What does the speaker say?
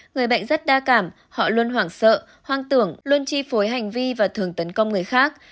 người bệnh rất đa cảm họ luôn hoảng sợ hoang tưởng luôn chi phối hành vi và thường tấn công người khác